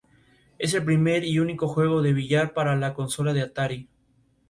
Participó en nueve juegos y consiguió dos hits en siete turnos al bate.